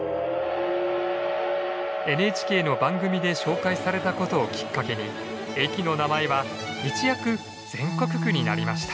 ＮＨＫの番組で紹介されたことをきっかけに駅の名前は一躍全国区になりました。